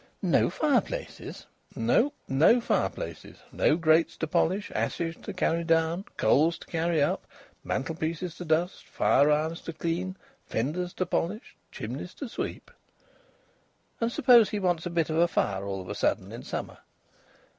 "No fireplaces!" "No! No fireplaces. No grates to polish, ashes to carry down, coals to carry up, mantelpieces to dust, fire irons to clean, fenders to polish, chimneys to sweep." "And suppose he wants a bit of fire all of a sudden in summer?"